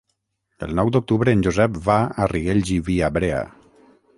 El nou d'octubre en Josep va a Riells i Viabrea.